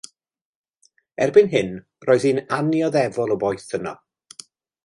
Erbyn hyn roedd hi'n annioddefol o boeth yno.